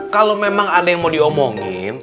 kalau memang ada yang mau diomongin